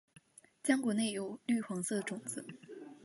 浆果内有绿黄色的种子。